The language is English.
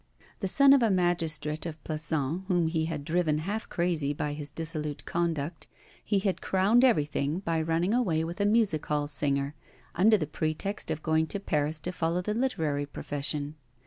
The son of a magistrate of Plassans, whom he had driven half crazy by his dissolute conduct, he had crowned everything by running away with a music hall singer under the pretext of going to Paris to follow the literary profession.